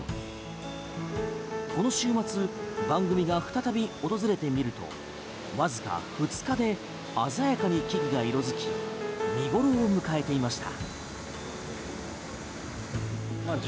この週末番組が再び訪れてみるとわずか２日で鮮やかに木々が色づき見頃を迎えていました。